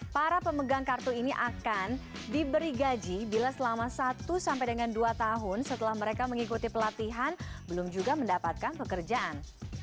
para pemegang kartu ini akan diberi gaji bila selama satu sampai dengan dua tahun setelah mereka mengikuti pelatihan belum juga mendapatkan pekerjaan